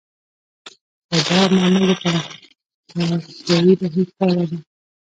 خو دا عوامل د پراختیايي بهیر پایله ده.